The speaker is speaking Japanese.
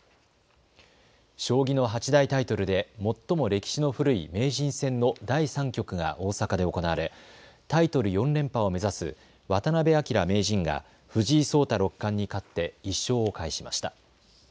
将棋の八大タイトルで最も歴史の古い名人戦の第３局が大阪で行われ、タイトル４連覇を目指す渡辺明名人が藤井聡太六冠に勝って１勝を返しました。